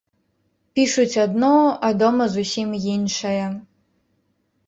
Пішуць адно, а дома зусім іншае.